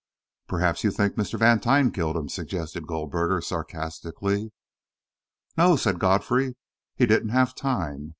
"Perhaps you think Mr. Vantine killed him," suggested Goldberger, sarcastically. "No," said Godfrey; "he didn't have time.